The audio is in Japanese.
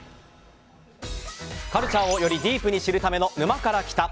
カルチャーをよりディープに知るための「沼から来た。」。